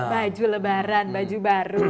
baju lebaran baju baru